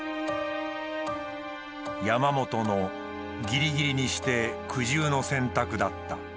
山本のぎりぎりにして苦渋の選択だった。